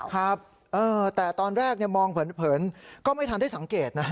ครับแต่ตอนแรกมองเผินก็ไม่ทันได้สังเกตนะ